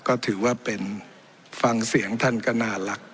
ก็ถือว่าเป็นฟังเสียงท่านก็น่ารัก